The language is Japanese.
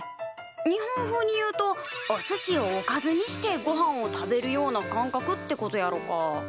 日本風に言うとおすしをおかずにしてごはんを食べるような感覚ってことやろか。